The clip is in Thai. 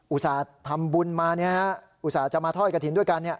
อุตส่าห์ทำบุญมาอุตส่าห์จะมาทอดกระถิ่นด้วยกัน